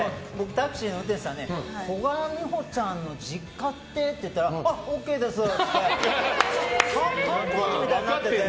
タクシーの運転手さんに古閑美保ちゃんの実家って言ったらあ、ＯＫですって言って観光地みたいになってて。